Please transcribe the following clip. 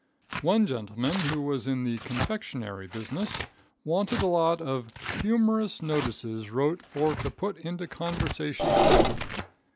One gentleman, who was in the confectionery business, wanted a lot of "humorous notices wrote for to put into conversation candy."